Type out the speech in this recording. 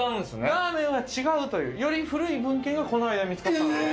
ラーメンは違うというより古い文献がこの間見つかったんです